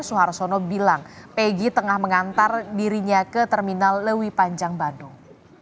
suharsono bilang peggy tengah mengantar dirinya ke terminal lewi panjang bandung